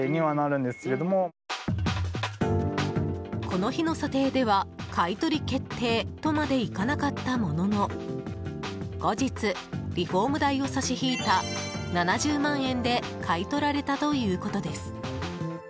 この日の査定では買い取り決定とまでいかなかったものの後日、リフォーム代を差し引いた７０万円で買い取られたということです。